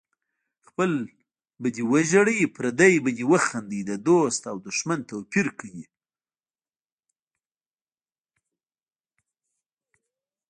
خپل به دې وژړوي پردی به دې وخندوي د دوست او دښمن توپیر کوي